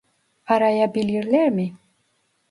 Arayabilirler mi?